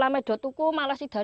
jalanan itu sudah ramah